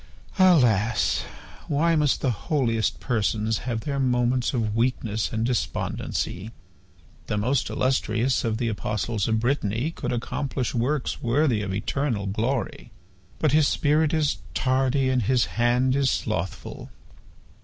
Alas! Why must the holiest persons have their moments of weakness and despondency? The most illustrious of the apostles of Brittany could accomplish works worthy of eternal glory ... But his spirit is tardy and his hand is slothful.